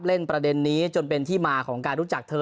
ประเด็นนี้จนเป็นที่มาของการรู้จักเธอ